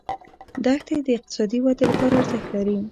دښتې د اقتصادي ودې لپاره ارزښت لري.